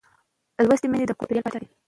لوستې میندې د کور چاپېریال پاک ساتي.